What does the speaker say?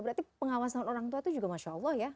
berarti pengawasan orang tua itu juga masya allah ya